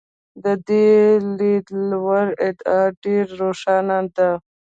د دې لیدلوري ادعا ډېره روښانه ده.